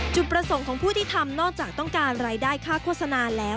จุดประสงค์ของผู้ที่ทำนอกจากต้องการรายได้ค่าโฆษณาแล้ว